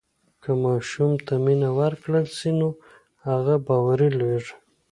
که ماشوم ته مینه ورکړل سي نو هغه باوري لویېږي.